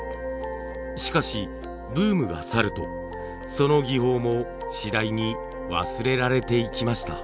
しかしブームが去るとその技法も次第に忘れられていきました。